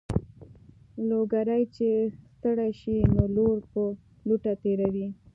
لوګری چې ستړی شي نو لور په لوټه تېروي.